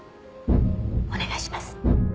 お願いします。